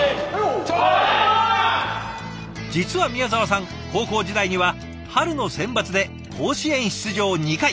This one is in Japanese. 実は宮澤さん高校時代には春のセンバツで甲子園出場２回。